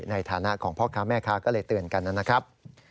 ในฐานะของพ่อค้าแม่ค้าก็เลยเตือนกันนะครับ